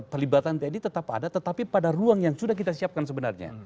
pelibatan tni tetap ada tetapi pada ruang yang sudah kita siapkan sebenarnya